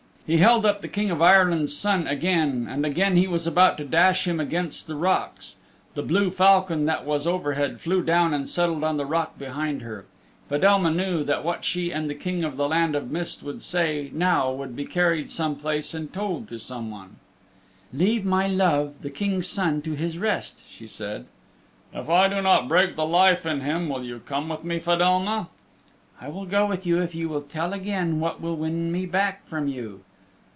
He held up the King of Ireland's Son again, and again he was about to dash him against the rocks. The blue falcon that was overhead flew down and settled on the rock behind her. Fedelma knew that what she and the King of the Land of Mist would say now would be carried some place and told to someone. "Leave my love, the King's Son, to his rest," she said. "If I do not break the life in him will you come with me, Fedelma?" "I will go with you if you tell again what will win me back from you."